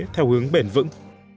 theo hướng bền vững